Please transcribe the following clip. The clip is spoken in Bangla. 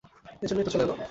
এজন্যই তো চলে এলাম।